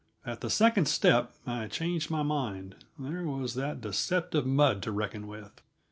At the second step I changed my mind there was that deceptive mud to reckon with.